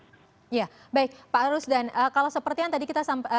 ya baik pak arus dan kalau sepertian tadi kita sampaikan